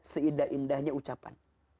seidah indahnya ucapan